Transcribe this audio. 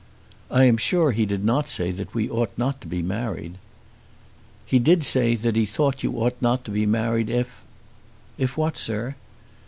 "I am sure he did not say that we ought not to be married." "He did say that he thought you ought not to be married, if " "If what, sir?"